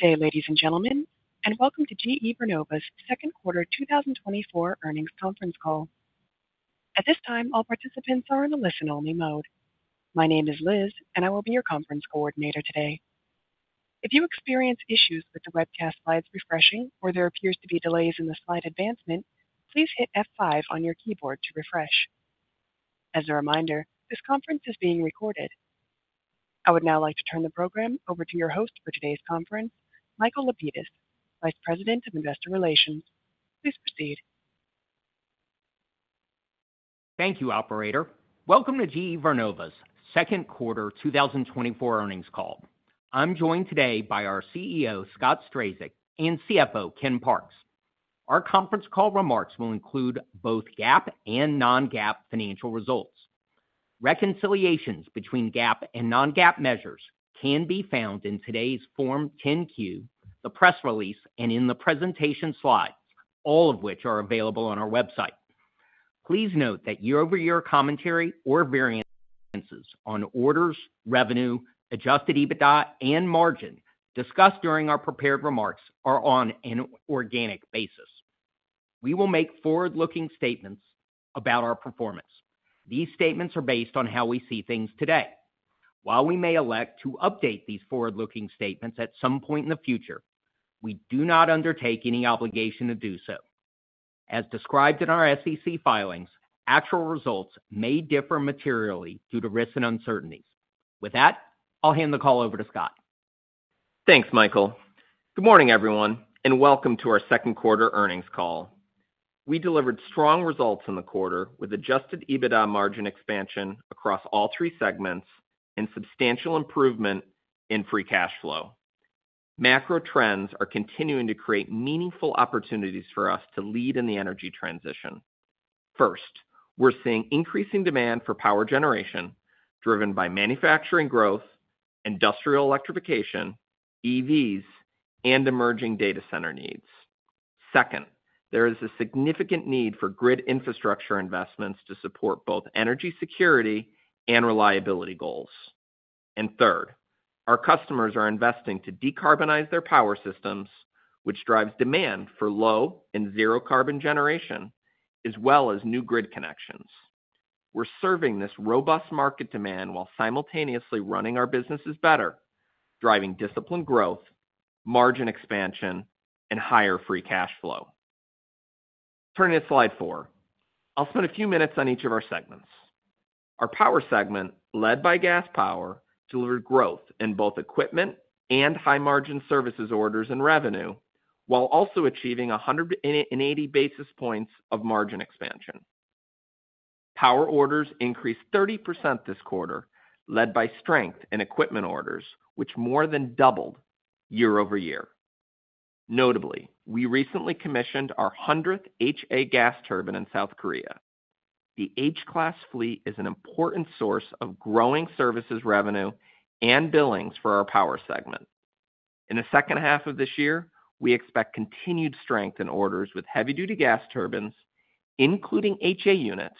Good day, ladies and gentlemen, and welcome to GE Vernova's second quarter 2024 earnings conference call. At this time, all participants are in a listen-only mode. My name is Liz, and I will be your conference coordinator today. If you experience issues with the webcast slides refreshing or there appears to be delays in the slide advancement, please hit F5 on your keyboard to refresh. As a reminder, this conference is being recorded. I would now like to turn the program over to your host for today's conference, Michael Lapides, VP of Investor Relations. Please proceed. Thank you, operator. Welcome to GE Vernova's second quarter 2024 earnings call. I'm joined today by our CEO, Scott Strazik, and CFO, Ken Parks. Our conference call remarks will include both GAAP and non-GAAP financial results. Reconciliations between GAAP and non-GAAP measures can be found in today's Form 10-Q, the press release, and in the presentation slides, all of which are available on our website. Please note that year-over-year commentary or variances on orders, revenue, adjusted EBITDA, and margin discussed during our prepared remarks are on an organic basis. We will make forward-looking statements about our performance. These statements are based on how we see things today. While we may elect to update these forward-looking statements at some point in the future, we do not undertake any obligation to do so. As described in our SEC filings, actual results may differ materially due to risks and uncertainties. With that, I'll hand the call over to Scott. Thanks, Michael. Good morning, everyone, and welcome to our second quarter earnings call. We delivered strong results in the quarter with adjusted EBITDA margin expansion across all three segments and substantial improvement in free cash flow. Macro trends are continuing to create meaningful opportunities for us to lead in the energy transition. First, we're seeing increasing demand for power generation driven by manufacturing growth, industrial electrification, EVs, and emerging data center needs. Second, there is a significant need for grid infrastructure investments to support both energy security and reliability goals. Third, our customers are investing to decarbonize their power systems, which drives demand for low and zero-carbon generation, as well as new grid connections. We're serving this robust market demand while simultaneously running our businesses better, driving disciplined growth, margin expansion, and higher free cash flow. Turning to Slide four. I'll spend a few minutes on each of our segments. Our Power segment, led by Gas Power, delivered growth in both equipment and high-margin services orders and revenue, while also achieving 180 basis points of margin expansion. Power orders increased 30% this quarter, led by strength in equipment orders, which more than doubled year-over-year. Notably, we recently commissioned our 100th HA gas turbine in South Korea. The H-Class fleet is an important source of growing services revenue and billings for our Power segment. In the second half of this year, we expect continued strength in orders with heavy-duty gas turbines, including HA units,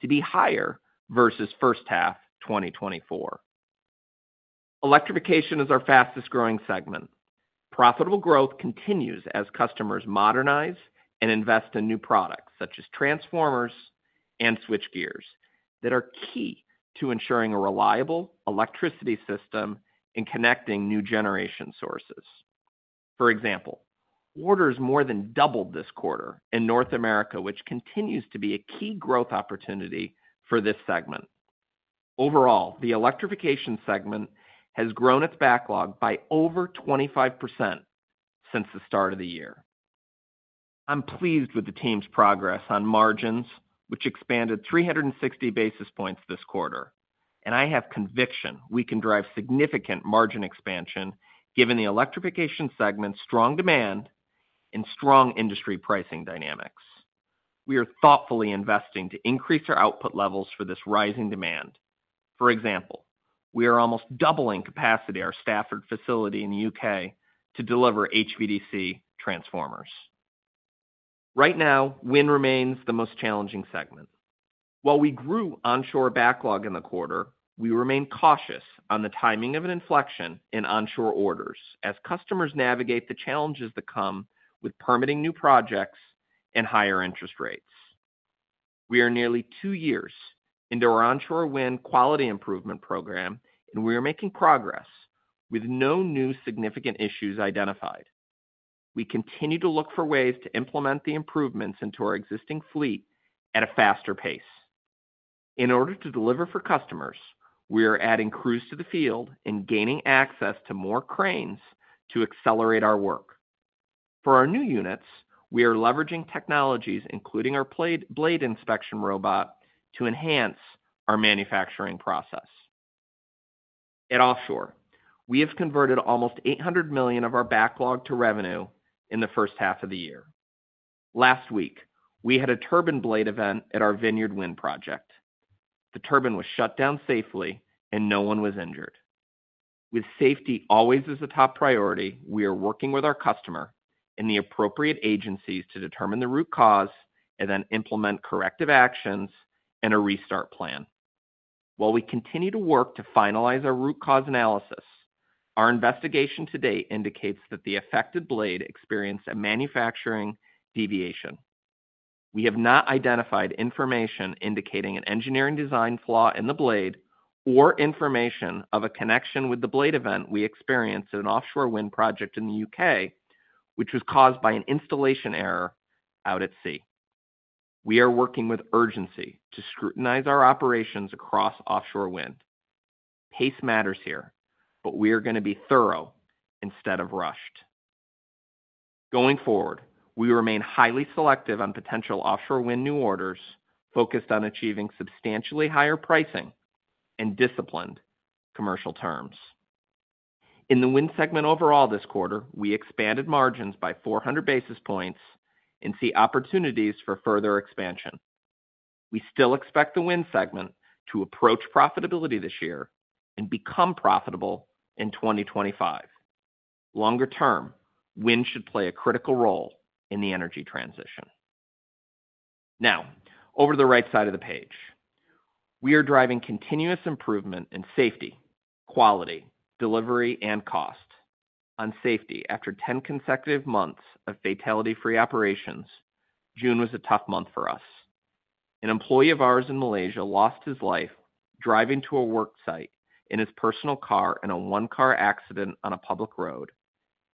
to be higher versus first half 2024. Electrification is our fastest-growing segment. Profitable growth continues as customers modernize and invest in new products, such as transformers and switchgears, that are key to ensuring a reliable electricity system and connecting new generation sources. For example, orders more than doubled this quarter in North America, which continues to be a key growth opportunity for this segment. Overall, the Electrification segment has grown its backlog by over 25% since the start of the year. I'm pleased with the team's progress on margins, which expanded 360 basis points this quarter, and I have conviction we can drive significant margin expansion given the Electrification segment's strong demand and strong industry pricing dynamics. We are thoughtfully investing to increase our output levels for this rising demand. For example, we are almost doubling capacity at our Stafford facility in the U.K. to deliver HVDC transformers. Right now, Wind remains the most challenging segment. While we grew onshore backlog in the quarter, we remain cautious on the timing of an inflection in onshore orders as customers navigate the challenges that come with permitting new projects and higher interest rates. We are nearly two years into our onshore wind quality improvement program, and we are making progress with no new significant issues identified. We continue to look for ways to implement the improvements into our existing fleet at a faster pace. In order to deliver for customers, we are adding crews to the field and gaining access to more cranes to accelerate our work. For our new units, we are leveraging technologies, including our blade inspection robot, to enhance our manufacturing process. At Offshore, we have converted almost $800 million of our backlog to revenue in the first half of the year. Last week, we had a turbine blade event at our Vineyard Wind project. The turbine was shut down safely and no one was injured. With safety always as a top priority, we are working with our customer and the appropriate agencies to determine the root cause and then implement corrective actions and a restart plan. While we continue to work to finalize our root cause analysis, our investigation to date indicates that the affected blade experienced a manufacturing deviation. We have not identified information indicating an engineering design flaw in the blade or information of a connection with the blade event we experienced in an offshore wind project in the U.K., which was caused by an installation error out at sea. We are working with urgency to scrutinize our operations across offshore wind. Pace matters here, but we are going to be thorough instead of rushed. Going forward, we remain highly selective on potential offshore wind new orders, focused on achieving substantially higher pricing and disciplined commercial terms. In the Wind segment overall this quarter, we expanded margins by 400 basis points and see opportunities for further expansion. We still expect the Wind segment to approach profitability this year and become profitable in 2025. Longer term, Wind should play a critical role in the energy transition. Now, over to the right side of the page. We are driving continuous improvement in safety, quality, delivery, and cost. On safety, after 10 consecutive months of fatality-free operations, June was a tough month for us. An employee of ours in Malaysia lost his life driving to a work site in his personal car, in a one-car accident on a public road,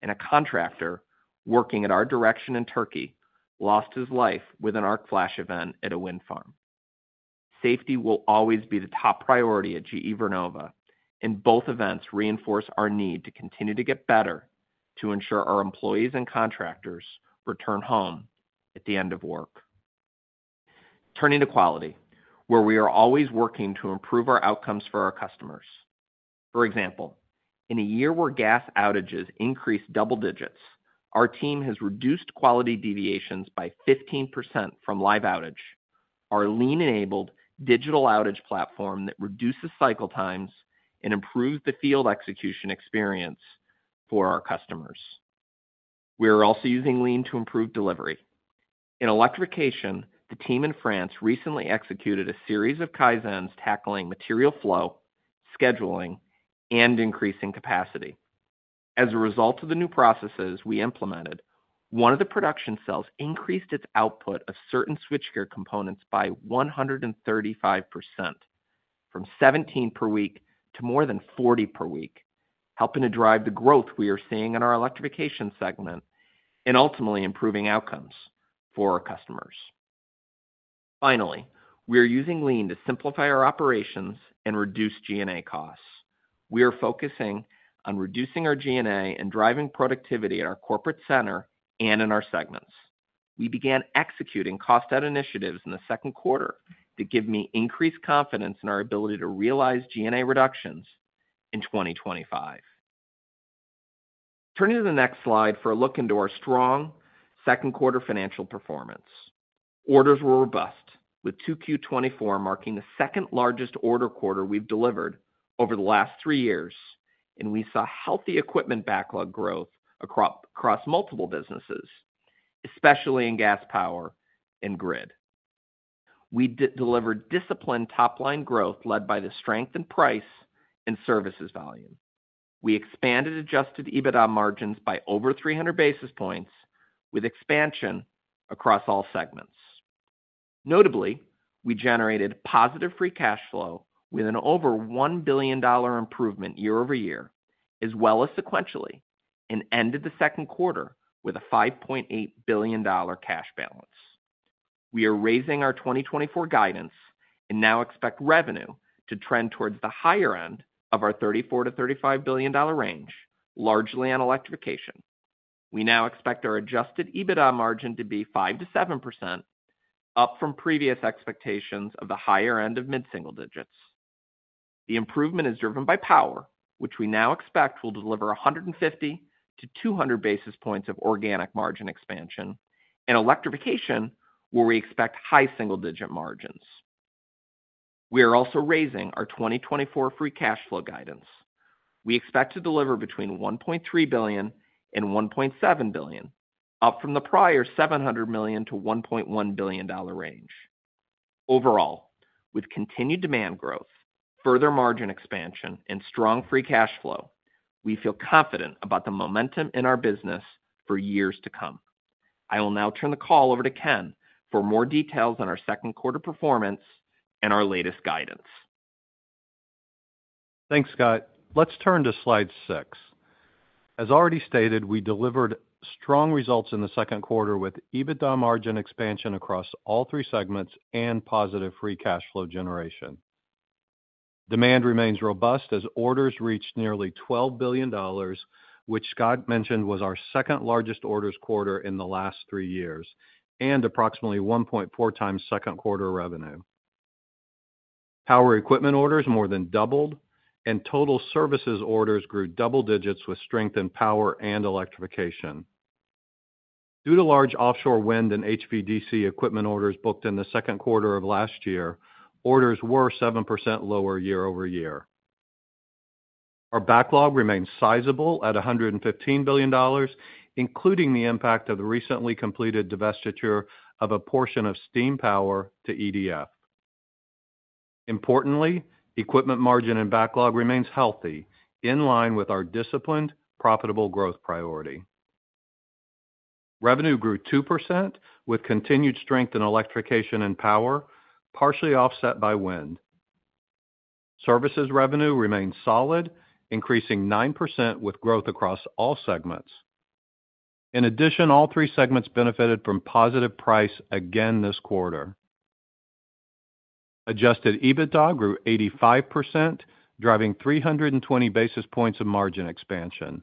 and a contractor working at our direction in Turkey lost his life with an arc flash event at a wind farm. Safety will always be the top priority at GE Vernova, and both events reinforce our need to continue to get better to ensure our employees and contractors return home at the end of work. Turning to quality, where we are always working to improve our outcomes for our customers. For example, in a year where gas outages increased double digits, our team has reduced quality deviations by 15% from Live Outage. Our lean-enabled digital outage platform that reduces cycle times and improves the field execution experience for our customers. We are also using lean to improve delivery. In Electrification, the team in France recently executed a series of kaizens, tackling material flow, scheduling, and increasing capacity. As a result of the new processes we implemented, one of the production cells increased its output of certain switchgear components by 135%, from 17 per week to more than 40 per week, helping to drive the growth we are seeing in our Electrification segment and ultimately improving outcomes for our customers. Finally, we are using Lean to simplify our operations and reduce G&A costs. We are focusing on reducing our G&A and driving productivity at our corporate center and in our segments. We began executing cost-out initiatives in the second quarter to give me increased confidence in our ability to realize G&A reductions in 2025. Turning to the next slide for a look into our strong second quarter financial performance. Orders were robust, with 2Q 2024 marking the second-largest order quarter we've delivered over the last three years, and we saw healthy equipment backlog growth across multiple businesses, especially in Gas, Power, and Grid. We delivered disciplined top-line growth, led by the strength in price and services volume. We expanded adjusted EBITDA margins by over 300 basis points, with expansion across all segments. Notably, we generated positive free cash flow with an over $1 billion improvement year-over-year, as well as sequentially, and ended the second quarter with a $5.8 billion cash balance. We are raising our 2024 guidance and now expect revenue to trend towards the higher end of our $34 billion-$35 billion range, largely on Electrification. We now expect our adjusted EBITDA margin to be 5%-7%, up from previous expectations of the higher end of mid-single digits. The improvement is driven by Power, which we now expect will deliver 150-200 basis points of organic margin expansion, and Electrification, where we expect high single-digit margins. We are also raising our 2024 free cash flow guidance. We expect to deliver between $1.3 billion and $1.7 billion, up from the prior $700 million-$1.1 billion range. Overall, with continued demand growth, further margin expansion, and strong free cash flow, we feel confident about the momentum in our business for years to come. I will now turn the call over to Ken for more details on our second quarter performance and our latest guidance. Thanks, Scott. Let's turn to Slide six. As already stated, we delivered strong results in the second quarter, with EBITDA margin expansion across all three segments and positive free cash flow generation. Demand remains robust as orders reached nearly $12 billion, which Scott mentioned was our second-largest orders quarter in the last three years, and approximately 1.4 times second quarter revenue. Power equipment orders more than doubled, and total services orders grew double digits with strength in Power and Electrification. Due to large offshore wind and HVDC equipment orders booked in the second quarter of last year, orders were 7% lower year-over-year. Our backlog remains sizable at $115 billion, including the impact of the recently completed divestiture of a portion of Steam Power to EDF. Importantly, equipment margin and backlog remains healthy, in line with our disciplined, profitable growth priority. Revenue grew 2%, with continued strength in Electrification and Power, partially offset by Wind. Services revenue remained solid, increasing 9% with growth across all segments. In addition, all three segments benefited from positive price again this quarter. Adjusted EBITDA grew 85%, driving 320 basis points of margin expansion.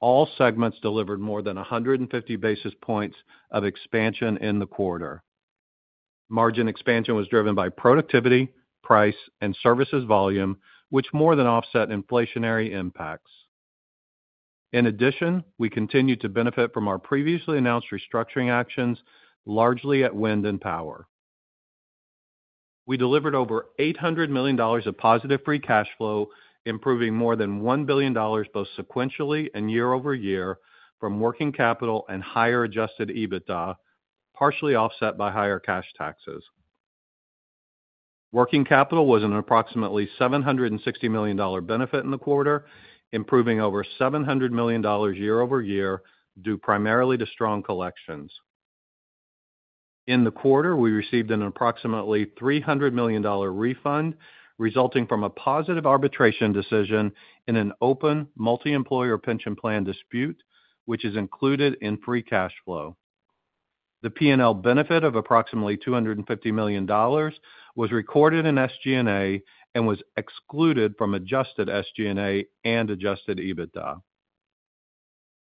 All segments delivered more than 150 basis points of expansion in the quarter. Margin expansion was driven by productivity, price, and services volume, which more than offset inflationary impacts. In addition, we continued to benefit from our previously announced restructuring actions, largely at Wind and Power. We delivered over $800 million of positive free cash flow, improving more than $1 billion, both sequentially and year-over-year, from working capital and higher adjusted EBITDA, partially offset by higher cash taxes. Working capital was an approximately $760 million benefit in the quarter, improving over $700 million year-over-year, due primarily to strong collections. In the quarter, we received an approximately $300 million refund, resulting from a positive arbitration decision in an open, multi-employer pension plan dispute, which is included in free cash flow. The P&L benefit of approximately $250 million was recorded in SG&A and was excluded from adjusted SG&A and adjusted EBITDA.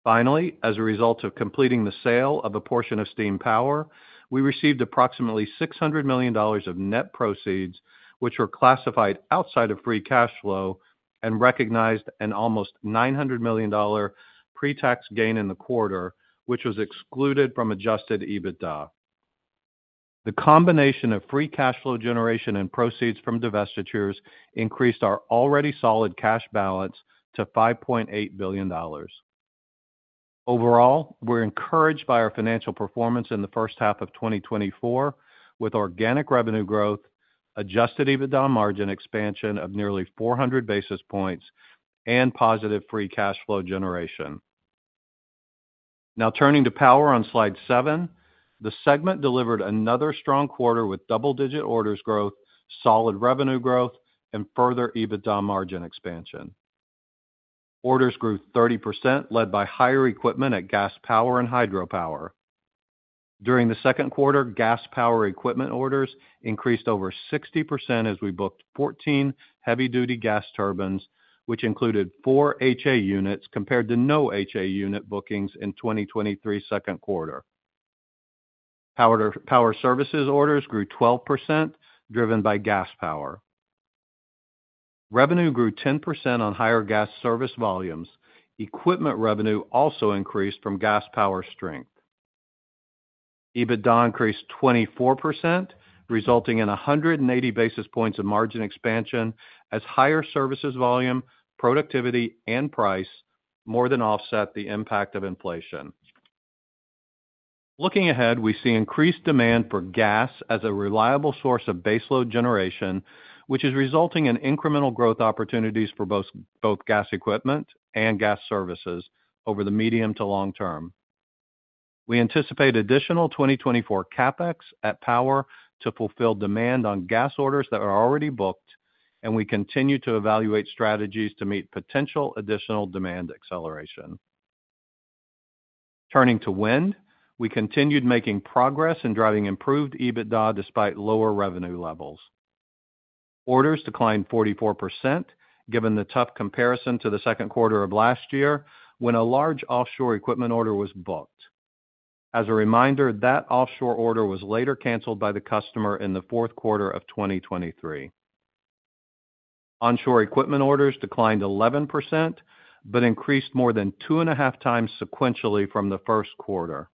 Finally, as a result of completing the sale of a portion of Steam Power, we received approximately $600 million of net proceeds, which were classified outside of free cash flow and recognized an almost $900 million pre-tax gain in the quarter, which was excluded from adjusted EBITDA. The combination of free cash flow generation and proceeds from divestitures increased our already solid cash balance to $5.8 billion. Overall, we're encouraged by our financial performance in the first half of 2024, with organic revenue growth, adjusted EBITDA margin expansion of nearly 400 basis points, and positive free cash flow generation. Now turning to Power on Slide seven, the segment delivered another strong quarter with double-digit orders growth, solid revenue growth, and further EBITDA margin expansion. Orders grew 30%, led by higher equipment at Gas Power and Hydropower. During the second quarter, Gas Power equipment orders increased over 60% as we booked 14 heavy-duty gas turbines, which included four HA units, compared to no HA unit bookings in 2023 second quarter. Power services orders grew 12%, driven by Gas Power. Revenue grew 10% on higher gas service volumes. Equipment revenue also increased from Gas Power strength. EBITDA increased 24%, resulting in 180 basis points of margin expansion as higher services volume, productivity, and price more than offset the impact of inflation. Looking ahead, we see increased demand for gas as a reliable source of baseload generation, which is resulting in incremental growth opportunities for both, both gas equipment and gas services over the medium to long term. We anticipate additional 2024 CapEx at Power to fulfill demand on gas orders that are already booked, and we continue to evaluate strategies to meet potential additional demand acceleration. Turning to wind, we continued making progress in driving improved EBITDA despite lower revenue levels. Orders declined 44%, given the tough comparison to the second quarter of last year, when a large offshore equipment order was booked. As a reminder, that offshore order was later canceled by the customer in the fourth quarter of 2023. Onshore equipment orders declined 11%, but increased more than 2.5 times sequentially from the first quarter.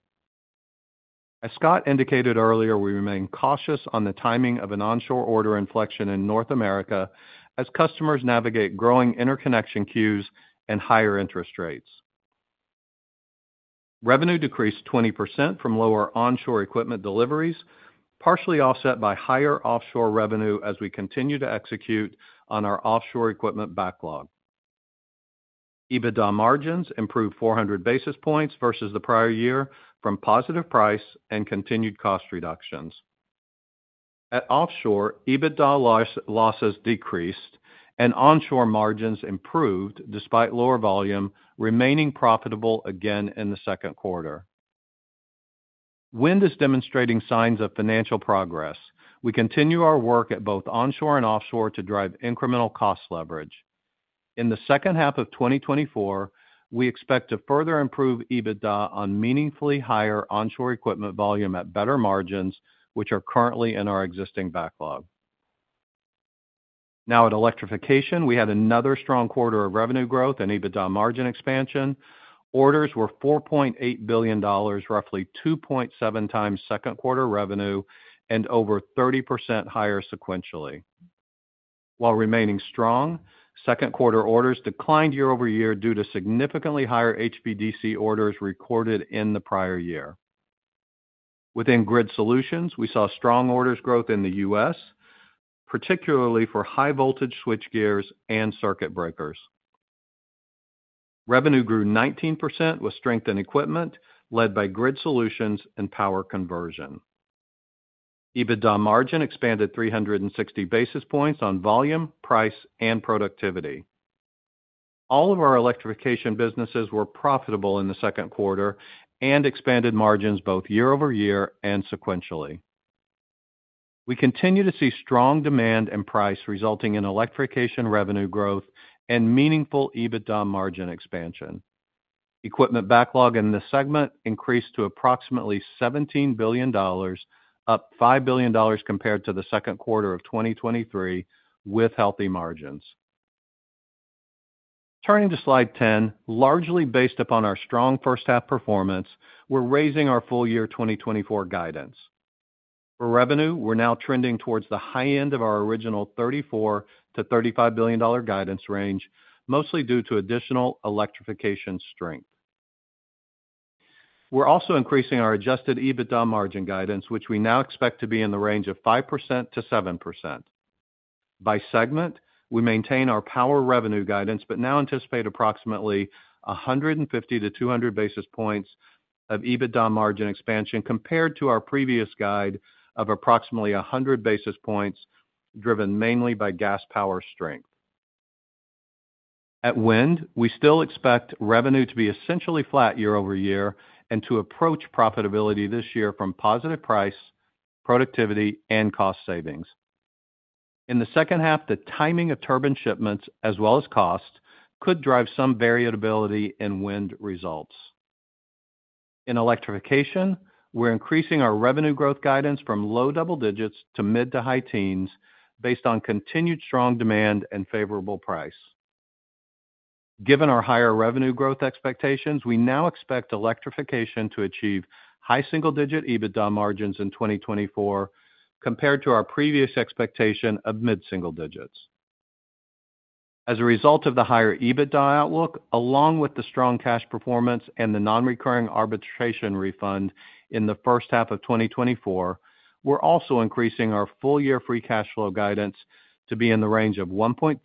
As Scott indicated earlier, we remain cautious on the timing of an onshore order inflection in North America as customers navigate growing interconnection queues and higher interest rates. Revenue decreased 20% from lower onshore equipment deliveries, partially offset by higher offshore revenue as we continue to execute on our offshore equipment backlog. EBITDA margins improved 400 basis points versus the prior year from positive price and continued cost reductions. At Offshore, EBITDA loss, losses decreased and onshore margins improved despite lower volume, remaining profitable again in the second quarter. Wind is demonstrating signs of financial progress. We continue our work at both onshore and offshore to drive incremental cost leverage. In the second half of 2024, we expect to further improve EBITDA on meaningfully higher onshore equipment volume at better margins, which are currently in our existing backlog. Now at Electrification, we had another strong quarter of revenue growth and EBITDA margin expansion. Orders were $4.8 billion, roughly 2.7 times second quarter revenue, and over 30% higher sequentially. While remaining strong, second quarter orders declined year-over-year due to significantly higher HVDC orders recorded in the prior year. Within Grid Solutions, we saw strong orders growth in the U.S., particularly for high-voltage switchgears and circuit breakers. Revenue grew 19% with strength in equipment, led by Grid Solutions and Power Conversion. EBITDA margin expanded 360 basis points on volume, price, and productivity. All of our Electrification businesses were profitable in the second quarter and expanded margins both year-over-year and sequentially. We continue to see strong demand and price, resulting in Electrification revenue growth and meaningful EBITDA margin expansion. Equipment backlog in this segment increased to approximately $17 billion, up $5 billion compared to the second quarter of 2023, with healthy margins. Turning to Slide 10, largely based upon our strong first half performance, we're raising our full year 2024 guidance. For revenue, we're now trending towards the high end of our original $34 billion-$35 billion guidance range, mostly due to additional Electrification strength. We're also increasing our adjusted EBITDA margin guidance, which we now expect to be in the range of 5%-7%. By segment, we maintain our Power revenue guidance, but now anticipate approximately 150 to 200 basis points of EBITDA margin expansion compared to our previous guide of approximately 100 basis points, driven mainly by Gas Power strength. At Wind, we still expect revenue to be essentially flat year-over-year and to approach profitability this year from positive price, productivity, and cost savings. In the second half, the timing of turbine shipments, as well as cost, could drive some variability in Wind results. In Electrification, we're increasing our revenue growth guidance from low double digits to mid to high teens based on continued strong demand and favorable price. Given our higher revenue growth expectations, we now expect Electrification to achieve high single-digit EBITDA margins in 2024, compared to our previous expectation of mid-single digits. As a result of the higher EBITDA outlook, along with the strong cash performance and the non-recurring arbitration refund in the first half of 2024, we're also increasing our full-year free cash flow guidance to be in the range of $1.3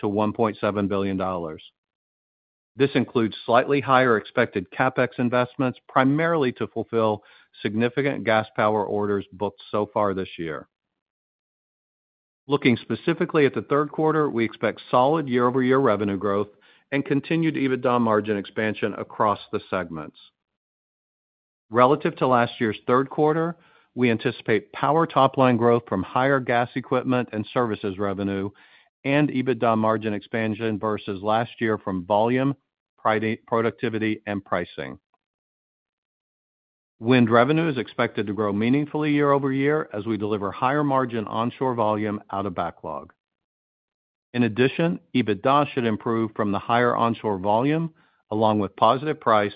billion-$1.7 billion. This includes slightly higher expected CapEx investments, primarily to fulfill significant Gas Power orders booked so far this year. Looking specifically at the third quarter, we expect solid year-over-year revenue growth and continued EBITDA margin expansion across the segments. Relative to last year's third quarter, we anticipate Power top-line growth from higher gas equipment and services revenue and EBITDA margin expansion versus last year from volume, productivity, and pricing. Wind revenue is expected to grow meaningfully year-over-year as we deliver higher-margin onshore volume out of backlog. In addition, EBITDA should improve from the higher onshore volume, along with positive price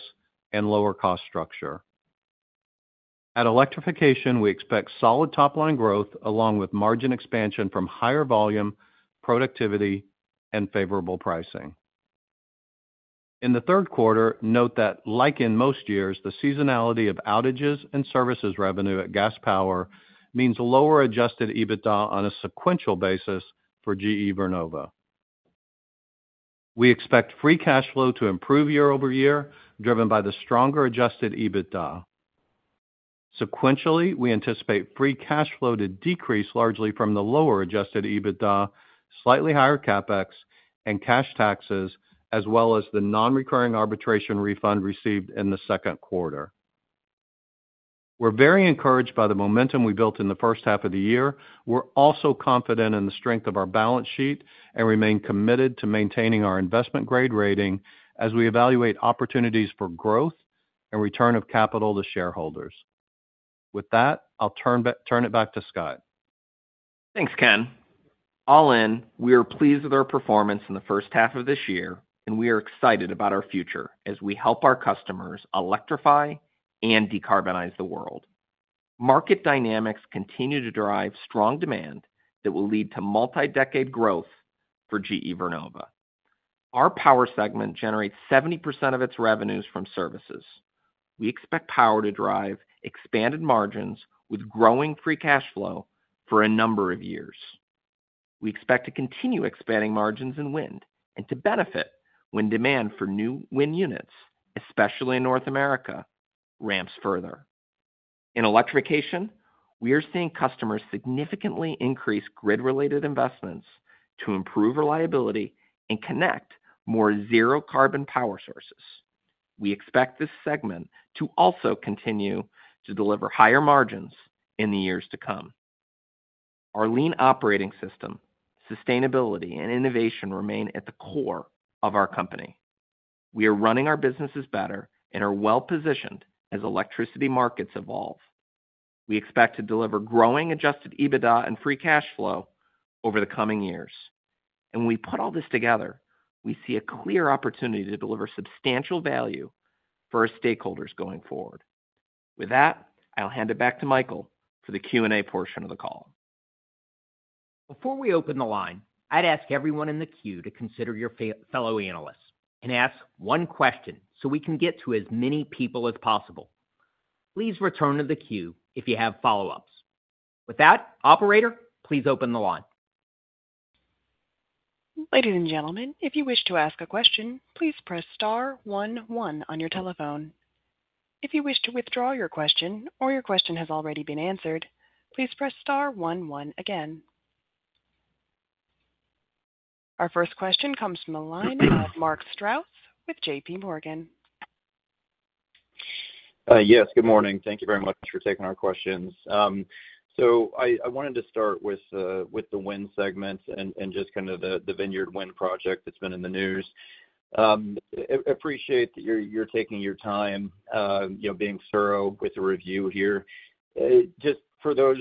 and lower cost structure. At Electrification, we expect solid top-line growth, along with margin expansion from higher volume, productivity, and favorable pricing. In the third quarter, note that, like in most years, the seasonality of outages and services revenue at Gas Power means lower adjusted EBITDA on a sequential basis for GE Vernova. We expect free cash flow to improve year-over-year, driven by the stronger adjusted EBITDA. Sequentially, we anticipate free cash flow to decrease, largely from the lower adjusted EBITDA, slightly higher CapEx and cash taxes, as well as the non-recurring arbitration refund received in the second quarter. We're very encouraged by the momentum we built in the first half of the year. We're also confident in the strength of our balance sheet and remain committed to maintaining our investment-grade rating as we evaluate opportunities for growth and return of capital to shareholders. With that, I'll turn it back to Scott. Thanks, Ken. All in, we are pleased with our performance in the first half of this year, and we are excited about our future as we help our customers electrify and decarbonize the world. Market dynamics continue to drive strong demand that will lead to multi-decade growth for GE Vernova. Our Power segment generates 70% of its revenues from services. We expect power to drive expanded margins with growing free cash flow for a number of years. We expect to continue expanding margins in Wind and to benefit when demand for new Wind units, especially in North America, ramps further. In Electrification, we are seeing customers significantly increase grid-related investments to improve reliability and connect more zero-carbon power sources. We expect this segment to also continue to deliver higher margins in the years to come. Our Lean operating system, sustainability, and innovation remain at the core of our company. We are running our businesses better and are well-positioned as electricity markets evolve. We expect to deliver growing adjusted EBITDA and free cash flow over the coming years… and when we put all this together, we see a clear opportunity to deliver substantial value for our stakeholders going forward. With that, I'll hand it back to Michael for the Q&A portion of the call. Before we open the line, I'd ask everyone in the queue to consider your fellow analysts, and ask one question, so we can get to as many people as possible. Please return to the queue if you have follow-ups. With that, operator, please open the line. Ladies and gentlemen, if you wish to ask a question, please press star one, one on your telephone. If you wish to withdraw your question or your question has already been answered, please press star one, one again. Our first question comes from the line of Mark Strouse with JPMorgan. Yes, good morning. Thank you very much for taking our questions. So I wanted to start with the Wind segment and just kind of the Vineyard Wind project that's been in the news. Appreciate that you're taking your time, you know, being thorough with the review here. Just for those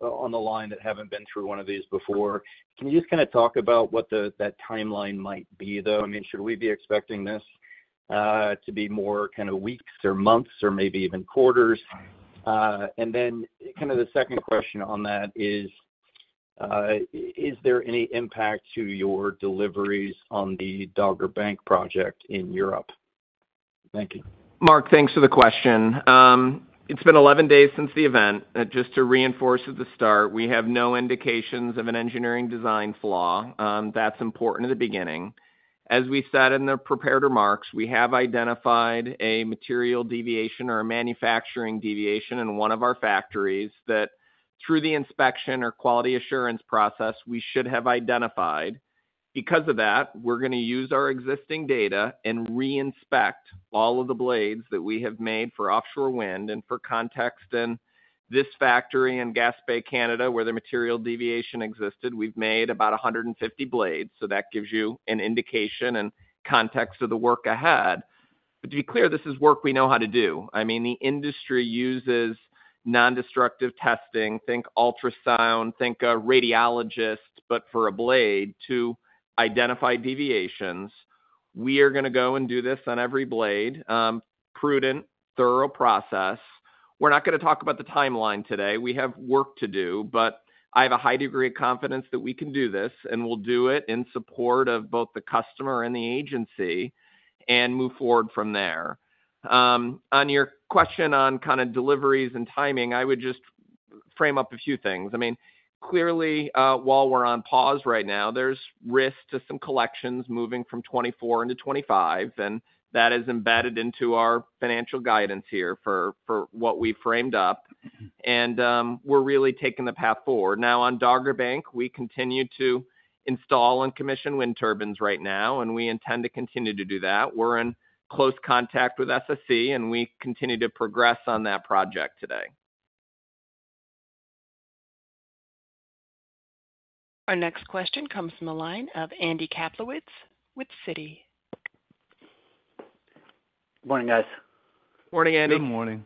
on the line that haven't been through one of these before, can you just kind of talk about what that timeline might be, though? I mean, should we be expecting this to be more kind of weeks or months or maybe even quarters? And then kind of the second question on that is, is there any impact to your deliveries on the Dogger Bank project in Europe? Thank you. Mark, thanks for the question. It's been 11 days since the event. Just to reinforce at the start, we have no indications of an engineering design flaw. That's important in the beginning. As we said in the prepared remarks, we have identified a material deviation or a manufacturing deviation in one of our factories, that through the inspection or quality assurance process, we should have identified. Because of that, we're gonna use our existing data and reinspect all of the blades that we have made for offshore wind. And for context, in this factory in Gaspé, Canada, where the material deviation existed, we've made about 150 blades, so that gives you an indication and context of the work ahead. But to be clear, this is work we know how to do. I mean, the industry uses nondestructive testing, think ultrasound, think a radiologist, but for a blade to identify deviations. We are gonna go and do this on every blade. Prudent, thorough process. We're not gonna talk about the timeline today. We have work to do, but I have a high degree of confidence that we can do this, and we'll do it in support of both the customer and the agency, and move forward from there. On your question on kind of deliveries and timing, I would just frame up a few things. I mean, clearly, while we're on pause right now, there's risk to some collections moving from 2024 into 2025, and that is embedded into our financial guidance here for what we framed up. We're really taking the path forward. Now, on Dogger Bank, we continue to install and commission Wind turbines right now, and we intend to continue to do that. We're in close contact with SSE, and we continue to progress on that project today. Our next question comes from the line of Andy Kaplowitz with Citi. Morning, guys. Morning, Andy. Good morning.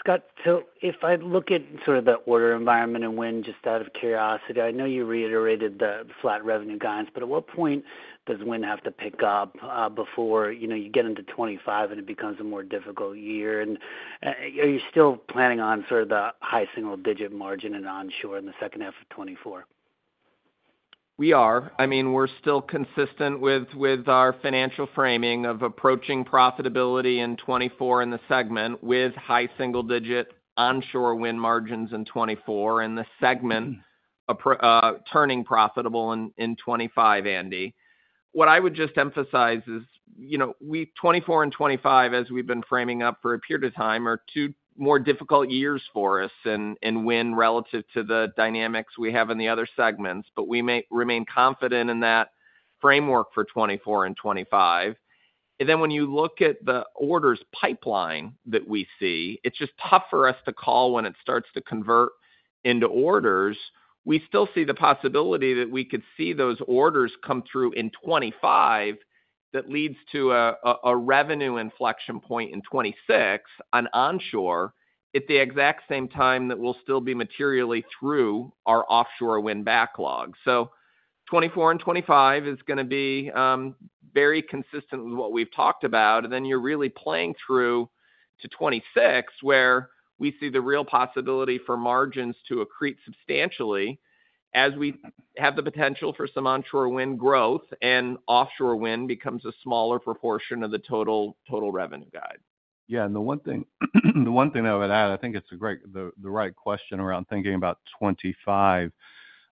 Scott, so if I look at sort of the order environment and wind, just out of curiosity, I know you reiterated the flat revenue guidance, but at what point does Wind have to pick up, before, you know, you get into 2025 and it becomes a more difficult year? And, are you still planning on sort of the high single digit margin in onshore in the second half of 2024? We are. I mean, we're still consistent with, with our financial framing of approaching profitability in 2024 in the segment, with high single digit onshore wind margins in 2024, and the segment turning profitable in, in 2025, Andy. What I would just emphasize is, you know, we 2024 and 2025, as we've been framing up for a period of time, are two more difficult years for us in, in Wind relative to the dynamics we have in the other segments, but we remain confident in that framework for 2024 and 2025. And then when you look at the orders pipeline that we see, it's just tough for us to call when it starts to convert into orders. We still see the possibility that we could see those orders come through in 2025, that leads to a revenue inflection point in 2026, on onshore, at the exact same time that we'll still be materially through our offshore wind backlog. So 2024 and 2025 is gonna be very consistent with what we've talked about, and then you're really playing through to 2026, where we see the real possibility for margins to accrete substantially, as we have the potential for some onshore wind growth and offshore wind becomes a smaller proportion of the total, total revenue guide. Yeah, and the one thing, the one thing I would add, I think it's a great the right question around thinking about 2025.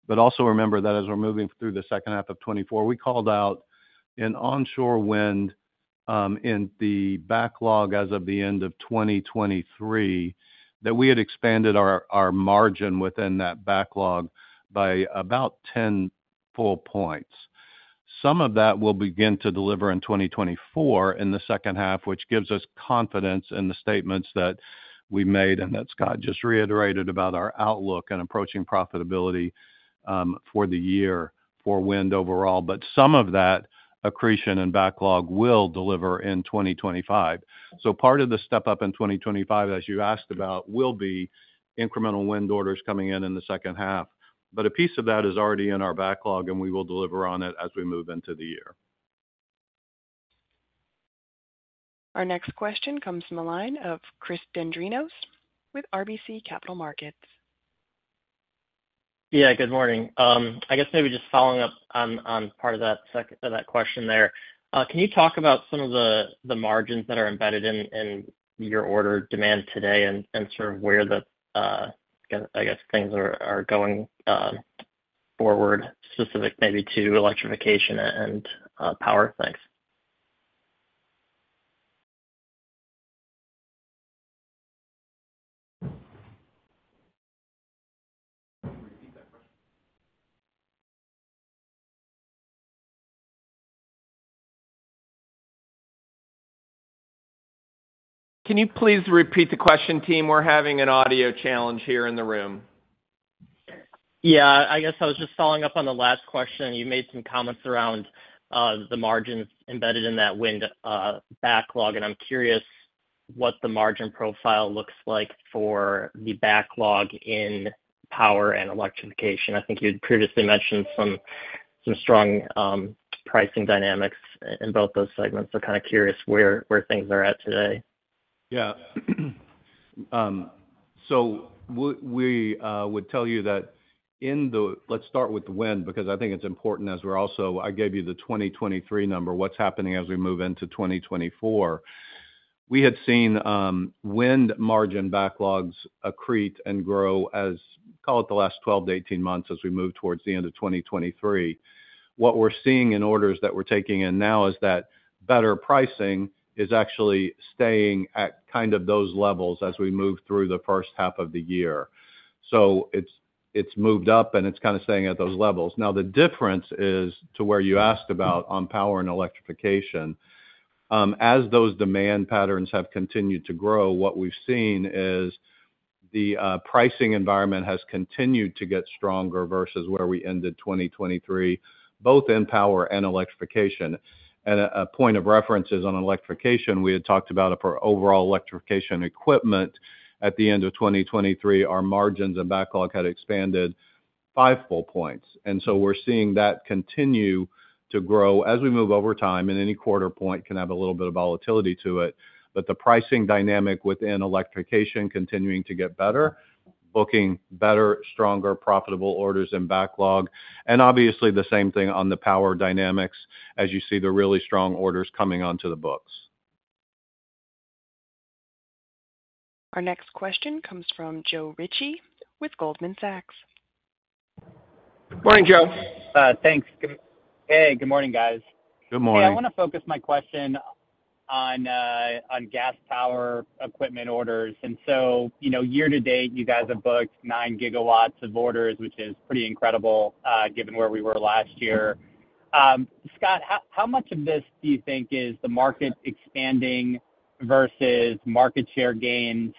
But also remember that as we're moving through the second half of 2024, we called out an onshore wind in the backlog as of the end of 2023, that we had expanded our margin within that backlog by about 10 full points. Some of that will begin to deliver in 2024, in the second half, which gives us confidence in the statements that we made and that Scott just reiterated about our outlook and approaching profitability for the year for Wind overall. But some of that accretion and backlog will deliver in 2025. So part of the step-up in 2025, as you asked about, will be incremental Wind orders coming in in the second half. But a piece of that is already in our backlog, and we will deliver on it as we move into the year. Our next question comes from the line of Chris Dendrinos with RBC Capital Markets. Yeah, good morning. I guess maybe just following up on the second part of that question there. Can you talk about some of the margins that are embedded in your order demand today and sort of where I guess things are going forward, specific maybe to Electrification and Power? Thanks. Can you repeat that question? Can you please repeat the question, team? We're having an audio challenge here in the room. Yeah, I guess I was just following up on the last question. You made some comments around the margins embedded in that Wind backlog, and I'm curious what the margin profile looks like for the backlog in Power and Electrification. I think you'd previously mentioned some strong pricing dynamics in both those segments. So kind of curious where things are at today. Yeah. So we would tell you that. Let's start with the wind, because I think it's important as we're also—I gave you the 2023 number, what's happening as we move into 2024. We had seen Wind margin backlogs accrete and grow as, call it the last 12-18 months as we move towards the end of 2023. What we're seeing in orders that we're taking in now is that better pricing is actually staying at kind of those levels as we move through the first half of the year. So it's, it's moved up, and it's kind of staying at those levels. Now, the difference is, to where you asked about on Power and Electrification, as those demand patterns have continued to grow, what we've seen is the pricing environment has continued to get stronger versus where we ended 2023, both in Power and Electrification. And a point of reference is on Electrification, we had talked about for overall Electrification equipment at the end of 2023, our margins and backlog had expanded five full points. And so we're seeing that continue to grow as we move over time, and any quarter point can have a little bit of volatility to it. But the pricing dynamic within Electrification, continuing to get better, looking better, stronger, profitable orders and backlog, and obviously the same thing on the Power dynamics as you see the really strong orders coming onto the books. Our next question comes from Joe Ritchie with Goldman Sachs. Morning, Joe. Thanks. Hey, good morning, guys. Good morning. Yeah, I want to focus my question on Gas Power equipment orders. And so, you know, year to date, you guys have booked 9 gigawatts of orders, which is pretty incredible, given where we were last year. Scott, how much of this do you think is the market expanding versus market share gains?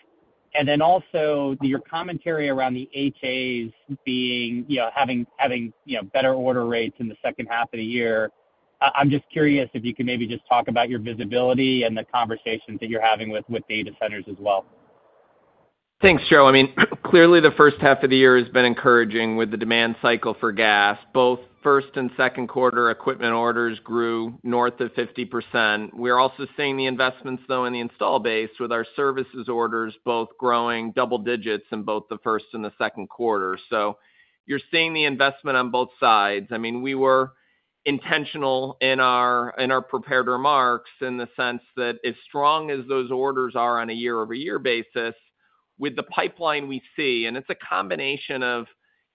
And then also, your commentary around the HAs being, you know, having better order rates in the second half of the year. I'm just curious if you could maybe just talk about your visibility and the conversations that you're having with data centers as well. Thanks, Joe. I mean, clearly, the first half of the year has been encouraging with the demand cycle for gas. Both first- and second-quarter equipment orders grew north of 50%. We're also seeing the investments, though, in the install base, with our services orders both growing double digits in both the first and the second quarter. So you're seeing the investment on both sides. I mean, we were intentional in our, in our prepared remarks in the sense that as strong as those orders are on a year-over-year basis, with the pipeline we see, and it's a combination of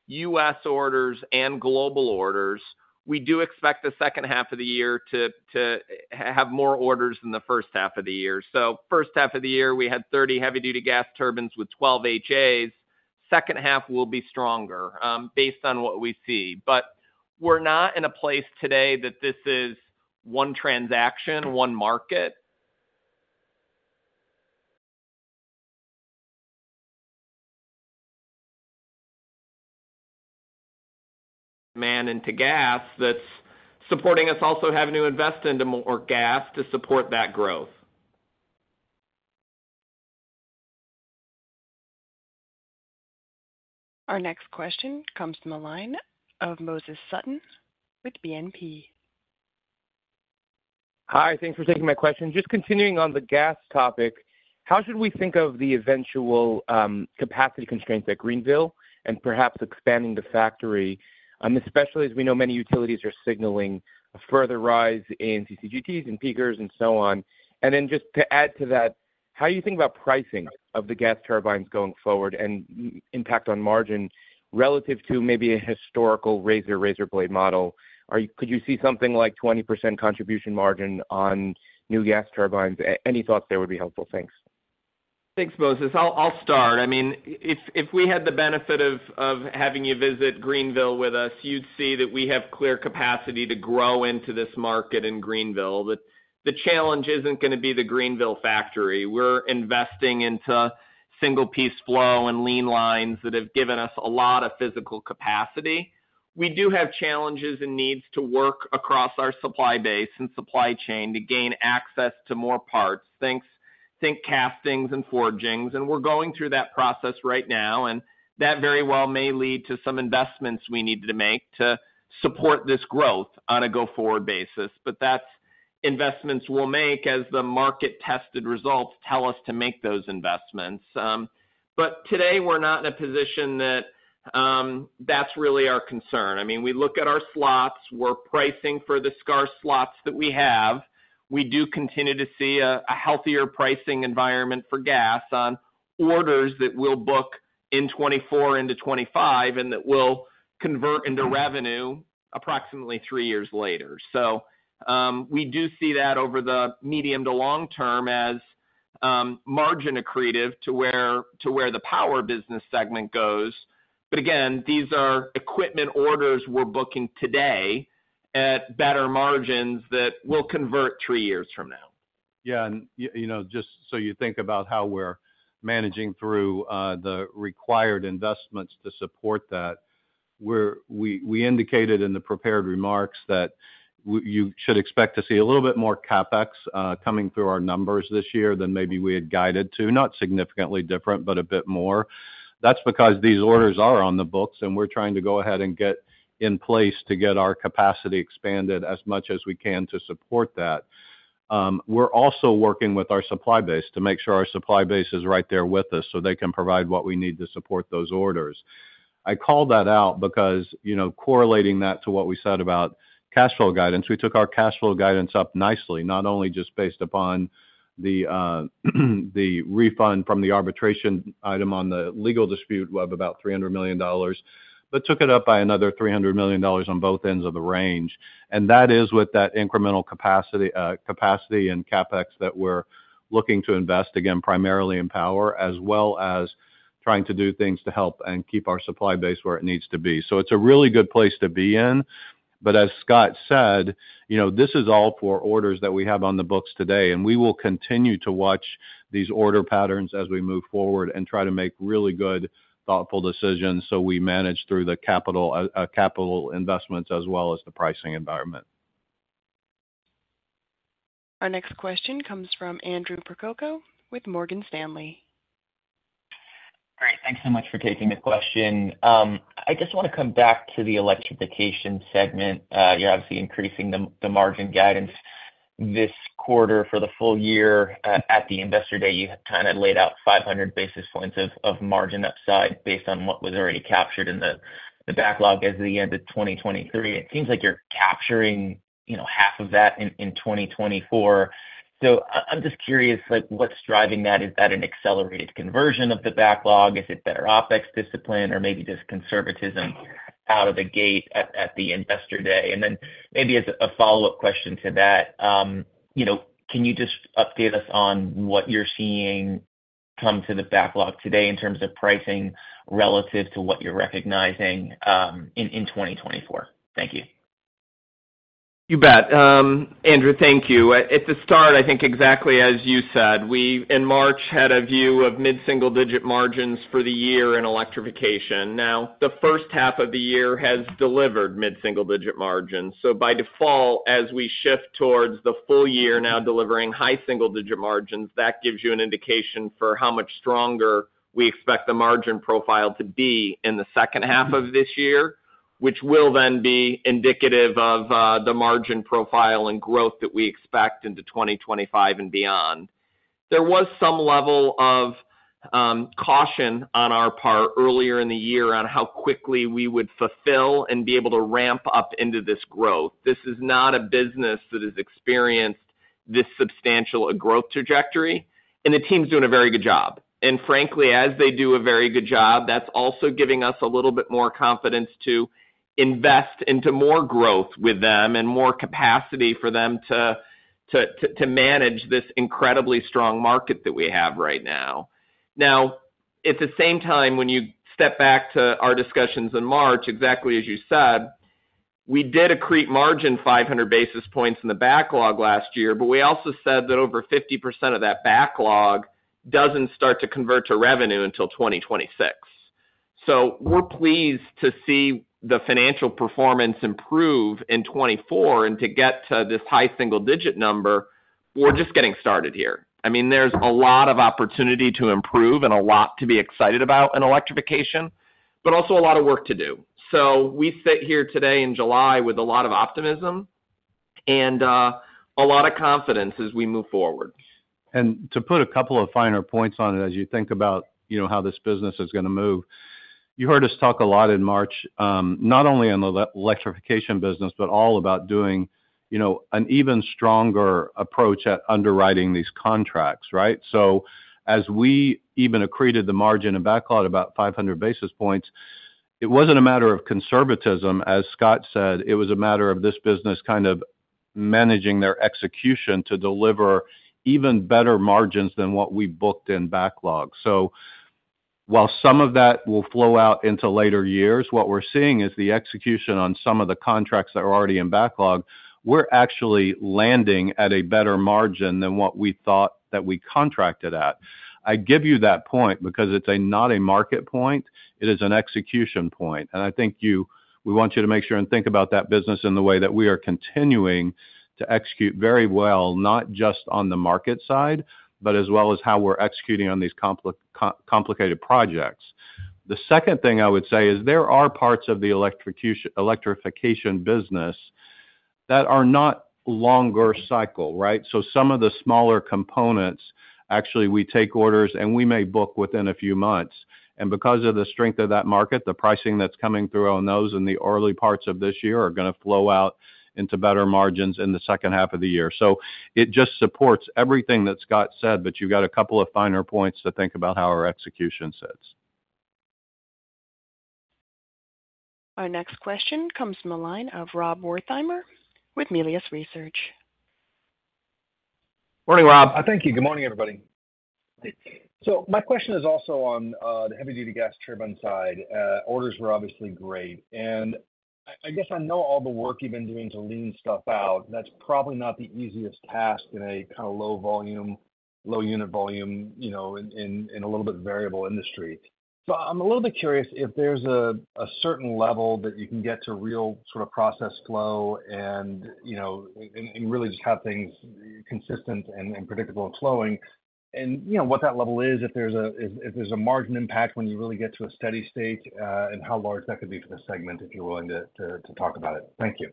U.S. orders and global orders, we do expect the second half of the year to have more orders than the first half of the year. So first half of the year, we had 30 heavy-duty gas turbines with 12 HAs. Second half will be stronger, based on what we see. But we're not in a place today that this is one transaction, one market.... Demand into gas that's supporting us also having to invest into more gas to support that growth. Our next question comes from the line of Moses Sutton with BNP. Hi, thanks for taking my question. Just continuing on the gas topic, how should we think of the eventual capacity constraints at Greenville and perhaps expanding the factory, especially as we know many utilities are signaling a further rise in CCGTs and peakers and so on. And then just to add to that, how you think about pricing of the gas turbines going forward and impact on margin relative to maybe a historical razor-blade model? Could you see something like 20% contribution margin on new gas turbines? Any thoughts there would be helpful. Thanks. Thanks, Moses. I'll start. I mean, if we had the benefit of having you visit Greenville with us, you'd see that we have clear capacity to grow into this market in Greenville. The challenge isn't gonna be the Greenville factory. We're investing into single-piece flow and lean lines that have given us a lot of physical capacity. We do have challenges and needs to work across our supply base and supply chain to gain access to more parts, think castings and forgings, and we're going through that process right now, and that very well may lead to some investments we need to make to support this growth on a go-forward basis. But that's investments we'll make as the market-tested results tell us to make those investments. But today, we're not in a position that that's really our concern. I mean, we look at our slots, we're pricing for the scarce slots that we have. We do continue to see a healthier pricing environment for gas on orders that we'll book in 2024 into 2025, and that will convert into revenue approximately three years later. So, we do see that over the medium to long term as margin accretive to where the Power business segment goes. But again, these are equipment orders we're booking today at better margins that will convert three years from now. Yeah, and you know, just so you think about how we're managing through the required investments to support that, we indicated in the prepared remarks that you should expect to see a little bit more CapEx coming through our numbers this year than maybe we had guided to. Not significantly different, but a bit more. That's because these orders are on the books, and we're trying to go ahead and get in place to get our capacity expanded as much as we can to support that. We're also working with our supply base to make sure our supply base is right there with us, so they can provide what we need to support those orders. I called that out because, you know, correlating that to what we said about cash flow guidance, we took our cash flow guidance up nicely, not only just based upon the refund from the arbitration item on the legal dispute of about $300 million, but took it up by another $300 million on both ends of the range. And that is with that incremental capacity, capacity and CapEx that we're looking to invest, again, primarily in power, as well as trying to do things to help and keep our supply base where it needs to be. So it's a really good place to be in. As Scott said, you know, this is all for orders that we have on the books today, and we will continue to watch these order patterns as we move forward and try to make really good, thoughtful decisions, so we manage through the capital capital investments as well as the pricing environment. Our next question comes from Andrew Percoco with Morgan Stanley. Great. Thanks so much for taking the question. I just wanna come back to the Electrification segment. You're obviously increasing the margin guidance this quarter for the full year. At the Investor Day, you had kind of laid out 500 basis points of margin upside based on what was already captured in the backlog as of the end of 2023. It seems like you're capturing, you know, half of that in 2024. So I'm just curious, like, what's driving that? Is that an accelerated conversion of the backlog? Is it better OpEx discipline, or maybe just conservatism out of the gate at the Investor Day? Then maybe as a follow-up question to that, you know, can you just update us on what you're seeing come to the backlog today in terms of pricing relative to what you're recognizing, in 2024? Thank you. You bet. Andrew, thank you. At the start, I think exactly as you said, we, in March, had a view of mid-single-digit margins for the year in Electrification. Now, the first half of the year has delivered mid-single-digit margins. So by default, as we shift towards the full year now delivering high single-digit margins, that gives you an indication for how much stronger we expect the margin profile to be in the second half of this year, which will then be indicative of the margin profile and growth that we expect into 2025 and beyond. There was some level of caution on our part earlier in the year on how quickly we would fulfill and be able to ramp up into this growth. This is not a business that has experienced this substantial a growth trajectory, and the team's doing a very good job. And frankly, as they do a very good job, that's also giving us a little bit more confidence to invest into more growth with them and more capacity for them to manage this incredibly strong market that we have right now. Now, at the same time, when you step back to our discussions in March, exactly as you said, we did accrete margin 500 basis points in the backlog last year, but we also said that over 50% of that backlog doesn't start to convert to revenue until 2026. So we're pleased to see the financial performance improve in 2024, and to get to this high single-digit number, we're just getting started here. I mean, there's a lot of opportunity to improve and a lot to be excited about in Electrification, but also a lot of work to do. So we sit here today in July with a lot of optimism and a lot of confidence as we move forward. To put a couple of finer points on it as you think about, you know, how this business is gonna move, you heard us talk a lot in March, not only on the Electrification business, but all about doing, you know, an even stronger approach at underwriting these contracts, right? So as we even accreted the margin and backlog about 500 basis points, it wasn't a matter of conservatism, as Scott said, it was a matter of this business kind of managing their execution to deliver even better margins than what we booked in backlog. So while some of that will flow out into later years, what we're seeing is the execution on some of the contracts that are already in backlog, we're actually landing at a better margin than what we thought that we contracted at. I give you that point because it's not a market point, it is an execution point, and I think we want you to make sure and think about that business in the way that we are continuing to execute very well, not just on the market side, but as well as how we're executing on these complicated projects. The second thing I would say is there are parts of the Electrification business that are not longer cycle, right? So some of the smaller components, actually, we take orders, and we may book within a few months. And because of the strength of that market, the pricing that's coming through on those in the early parts of this year are going to flow out into better margins in the second half of the year. It just supports everything that Scott said, but you've got a couple of finer points to think about how our execution sits. Our next question comes from the line of Rob Wertheimer with Melius Research. Morning, Rob. Thank you. Good morning, everybody. So my question is also on the heavy-duty gas turbine side. Orders were obviously great, and I guess I know all the work you've been doing to lean stuff out. That's probably not the easiest task in a kind of low volume, low unit volume, you know, in a little bit variable industry. So I'm a little bit curious if there's a certain level that you can get to real sort of process flow and, you know, and really just have things consistent and predictable and flowing. And, you know, what that level is, if there's a margin impact when you really get to a steady state, and how large that could be for the segment, if you're willing to talk about it. Thank you.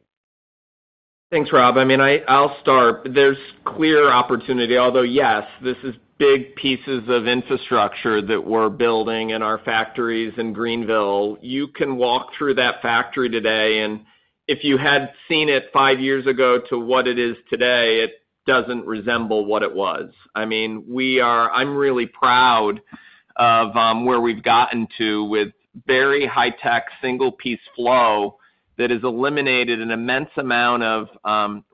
Thanks, Rob. I mean, I'll start. There's clear opportunity, although, yes, this is big pieces of infrastructure that we're building in our factories in Greenville. You can walk through that factory today, and if you had seen it five years ago to what it is today, it doesn't resemble what it was. I mean, we are, I'm really proud of where we've gotten to with very high-tech single-piece flow that has eliminated an immense amount of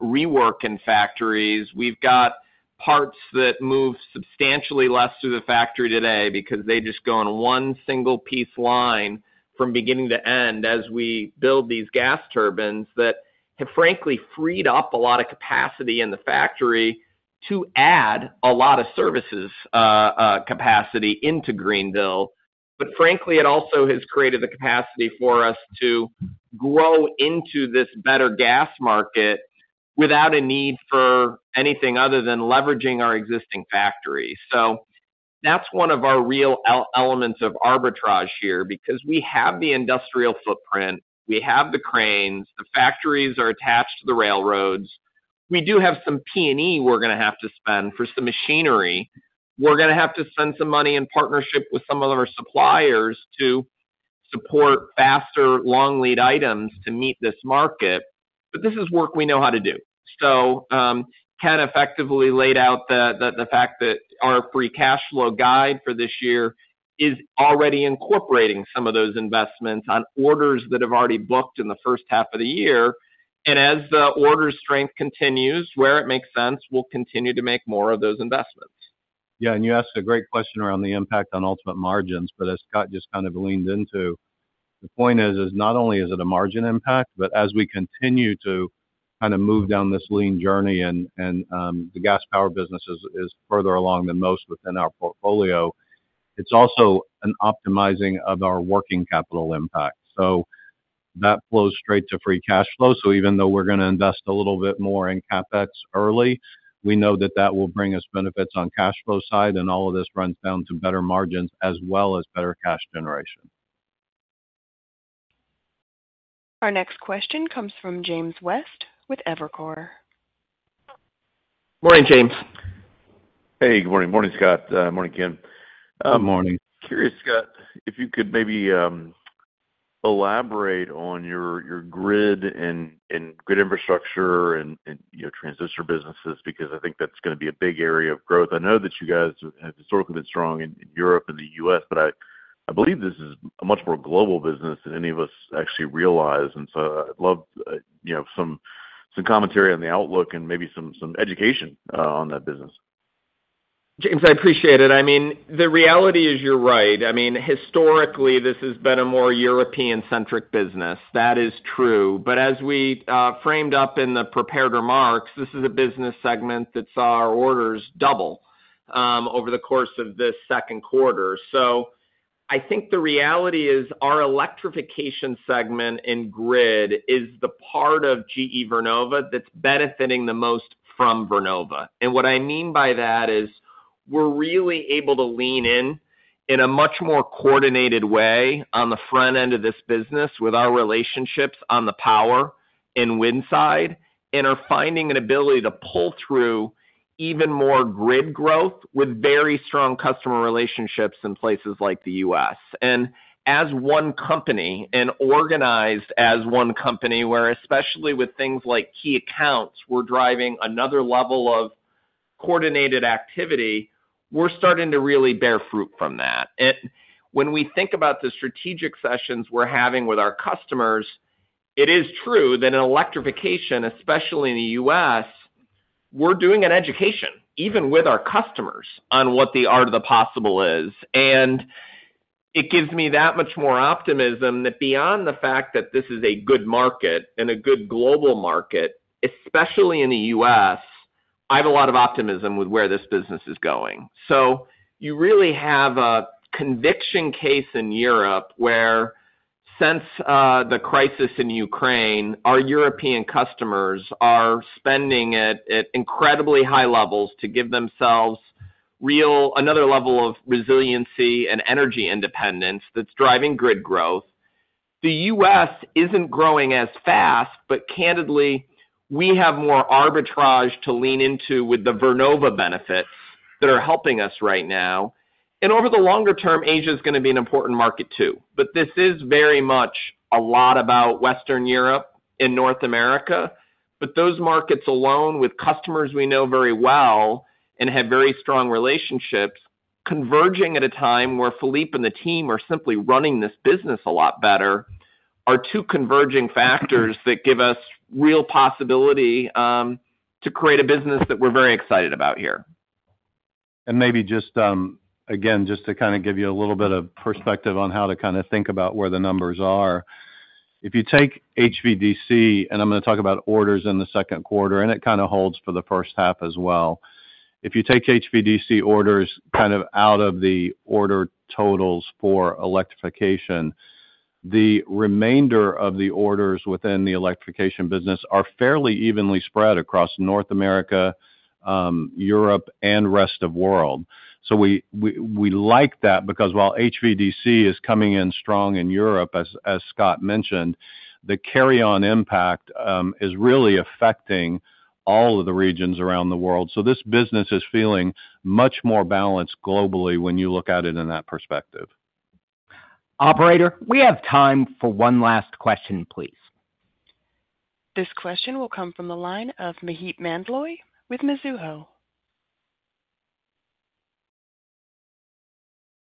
rework in factories. We've got parts that move substantially less through the factory today because they just go on one single piece line from beginning to end as we build these gas turbines that have, frankly, freed up a lot of capacity in the factory to add a lot of services capacity into Greenville. But frankly, it also has created the capacity for us to grow into this better gas market without a need for anything other than leveraging our existing factories. So that's one of our real elements of arbitrage here, because we have the industrial footprint, we have the cranes, the factories are attached to the railroads. We do have some P&E we're going to have to spend for some machinery. We're going to have to spend some money in partnership with some of our suppliers to support faster long lead items to meet this market, but this is work we know how to do. So, Ken effectively laid out the fact that our free cash flow guide for this year is already incorporating some of those investments on orders that have already booked in the first half of the year. As the order strength continues, where it makes sense, we'll continue to make more of those investments. Yeah, and you asked a great question around the impact on ultimate margins, but as Scott just kind of leaned into, the point is, is not only is it a margin impact, but as we continue to kind of move down this Lean journey, the Gas Power business is further along than most within our portfolio, it's also an optimizing of our working capital impact. So that flows straight to free cash flow. So even though we're going to invest a little bit more in CapEx early, we know that that will bring us benefits on cash flow side, and all of this runs down to better margins as well as better cash generation. Our next question comes from James West with Evercore. Morning, James. Hey, good morning. Morning, Scott. Morning, Ken. Good morning. Curious, Scott, if you could maybe elaborate on your grid and grid infrastructure and your transmission businesses, because I think that's going to be a big area of growth. I know that you guys have historically been strong in Europe and the U.S., but I believe this is a much more global business than any of us actually realize. And so I'd love, you know, some commentary on the outlook and maybe some education on that business. James, I appreciate it. I mean, the reality is, you're right. I mean, historically, this has been a more European-centric business. That is true. But as we framed up in the prepared remarks, this is a business segment that saw our orders double over the course of this second quarter. So I think the reality is, our Electrification segment in grid is the part of GE Vernova that's benefiting the most from Vernova. And what I mean by that is, we're really able to lean in in a much more coordinated way on the front end of this business with our relationships on the Power and Wind side, and are finding an ability to pull through even more grid growth with very strong customer relationships in places like the U.S. And as one company, and organized as one company, where especially with things like key accounts, we're driving another level of coordinated activity, we're starting to really bear fruit from that. And when we think about the strategic sessions we're having with our customers, it is true that in Electrification, especially in the U.S., we're doing an education, even with our customers, on what the art of the possible is. And it gives me that much more optimism that beyond the fact that this is a good market and a good global market, especially in the U.S., I have a lot of optimism with where this business is going. So you really have a conviction case in Europe, where since the crisis in Ukraine, our European customers are spending at incredibly high levels to give themselves real another level of resiliency and energy independence that's driving grid growth. The U.S. isn't growing as fast, but candidly, we have more arbitrage to lean into with the Vernova benefits that are helping us right now. And over the longer term, Asia is gonna be an important market too. But this is very much a lot about Western Europe and North America. But those markets, alone, with customers we know very well and have very strong relationships, converging at a time where Philippe and the team are simply running this business a lot better, are two converging factors that give us real possibility to create a business that we're very excited about here. Maybe just, again, just to kind of give you a little bit of perspective on how to kind of think about where the numbers are. If you take HVDC, and I'm gonna talk about orders in the second quarter, and it kind of holds for the first half as well. If you take HVDC orders kind of out of the order totals for Electrification, the remainder of the orders within the Electrification business are fairly evenly spread across North America, Europe, and rest of world. So we like that because while HVDC is coming in strong in Europe, as Scott mentioned, the carry-on impact is really affecting all of the regions around the world. So this business is feeling much more balanced globally when you look at it in that perspective. Operator, we have time for one last question, please. This question will come from the line of Maheep Mandloi with Mizuho.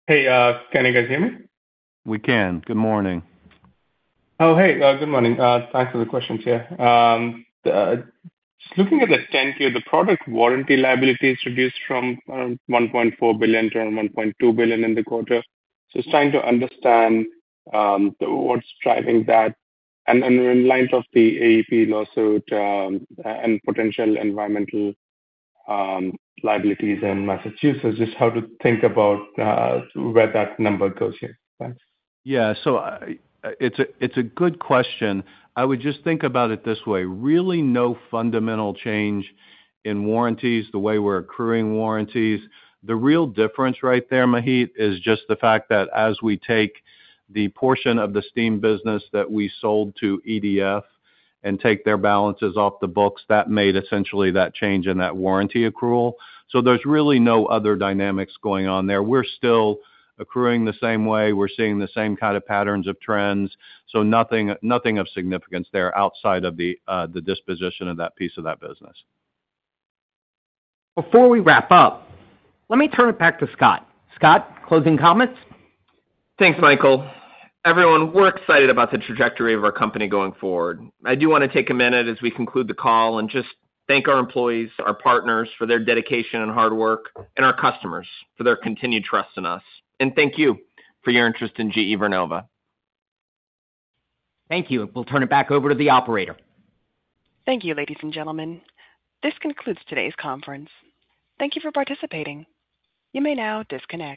Hey, can you guys hear me? We can. Good morning. Oh, hey, good morning. Thanks for the questions here. Just looking at the 10-K, the product warranty liability is reduced from $1.4 billion to $1.2 billion in the quarter. Just trying to understand what's driving that. And then in light of the AEP lawsuit, and potential environmental liabilities in Massachusetts, just how to think about where that number goes here. Thanks. Yeah. So it's a, it's a good question. I would just think about it this way: really no fundamental change in warranties, the way we're accruing warranties. The real difference right there, Maheep, is just the fact that as we take the portion of the steam business that we sold to EDF and take their balances off the books, that made essentially that change in that warranty accrual. So there's really no other dynamics going on there. We're still accruing the same way. We're seeing the same kind of patterns of trends, so nothing, nothing of significance there outside of the, the disposition of that piece of that business. Before we wrap up, let me turn it back to Scott. Scott, closing comments? Thanks, Michael. Everyone, we're excited about the trajectory of our company going forward. I do wanna take a minute as we conclude the call and just thank our employees, our partners, for their dedication and hard work, and our customers for their continued trust in us. Thank you for your interest in GE Vernova. Thank you. We'll turn it back over to the operator. Thank you, ladies and gentlemen. This concludes today's conference. Thank you for participating. You may now disconnect.